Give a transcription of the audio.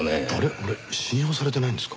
俺信用されてないんですか？